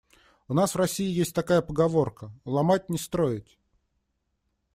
У нас в России есть такая поговорка: "Ломать — не строить".